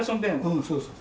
うんそうそう。